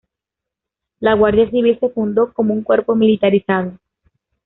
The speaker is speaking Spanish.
La Guardia Civil se fundó como un Cuerpo militarizado.